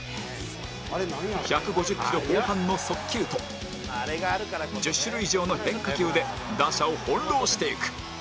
１５０キロ後半の速球と１０種類以上の変化球で打者を翻弄していく